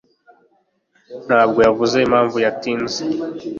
ntabwo yavuze impamvu yatinze.